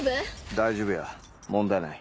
大丈夫や問題ない。